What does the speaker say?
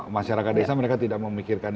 masyarakat desa mereka tidak memikirkan